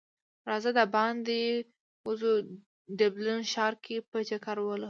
راځه د باندی وځو ډبلین ښار کی به چکر هم ولګو